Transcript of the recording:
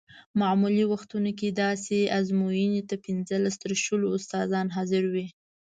معمولي وختونو کې داسې ازموینو ته پنځلس تر شلو استادان حاضر وي.